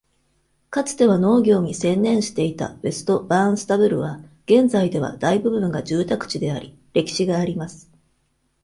かつては農業に専念していたウェスト・バーンスタブルは、現在では大部分が住宅地であり、歴史があります。